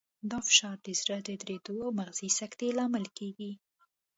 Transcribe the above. دا فشار د زړه د دریدو او مغزي سکتې لامل کېږي.